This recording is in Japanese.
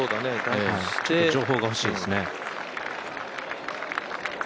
ちょっと情報が欲しいですね。